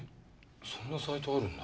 そんなサイトあるんだ。